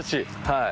はい。